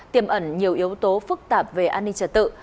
tiềm ẩn nhiều yếu tố phức tạp về an ninh trật tự